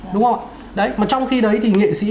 đúng không đấy mà trong khi đấy thì nghệ sĩ